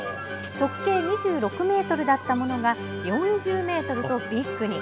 直径２６メートルだったものが４０メートルとビッグに。